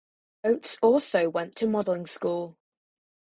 Oates also went to modeling school.